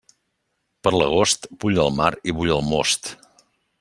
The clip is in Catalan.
Per l'agost, bull el mar i bull el most.